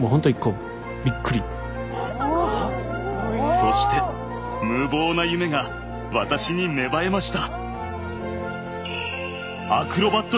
そして無謀な夢が私に芽生えました。